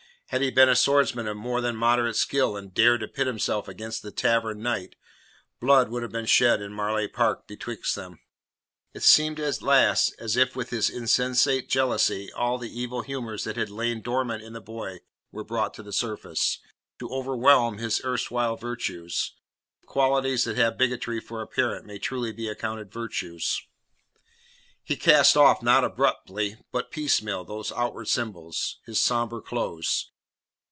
Had he been a swordsman of more than moderate skill and dared to pit himself against the Tavern Knight, blood would have been shed in Marleigh Park betwixt them. It seemed at last as if with his insensate jealousy all the evil humours that had lain dormant in the boy were brought to the surface, to overwhelm his erstwhile virtues if qualities that have bigotry for a parent may truly be accounted virtues. He cast off, not abruptly, but piecemeal, those outward symbols his sombre clothes.